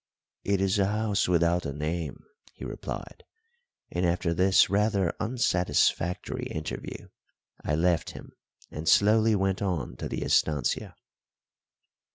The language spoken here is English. "It is a house without a name," he replied; and after this rather unsatisfactory interview I left him and slowly went on to the estancia.